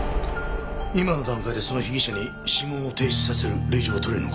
今の段階でその被疑者に指紋を提出させる令状は取れるのか？